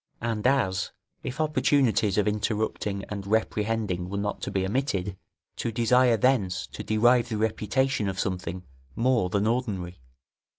And, as if opportunities of interrupting and reprehending were not to be omitted, to desire thence to derive the reputation of something more than ordinary.